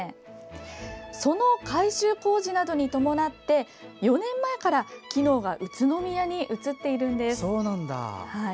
その改修工事などに伴って４年前から機能が宇都宮に移っているんです。